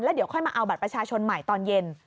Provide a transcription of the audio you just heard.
เดี๋ยวค่อยมาเอาบัตรประชาชนใหม่ตอนเย็น